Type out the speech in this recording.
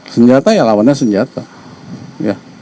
senjata ya lawannya senjata